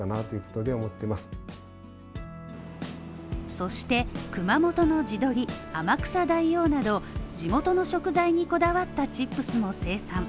そして熊本の地鶏、天草大王など地元の食材にこだわったチップスも生産。